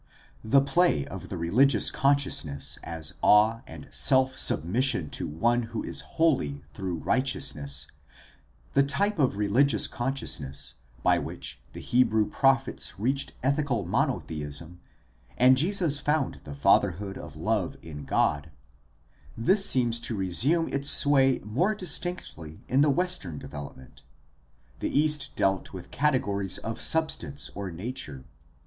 The play of the religious consciousness as awe and self submission to One who is holy through righteousness, the type of religious consciousness by which the Hebrew prophets reached ethical monotheism and Jesus found the fatherhood of love in God — this seems to 342 GUIDE TO STUDY OF CHRISTIAN RELIGION resume its sway more distinctly in the Western development. The East dealt with categories of substance or nature.